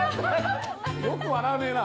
よく笑わねな。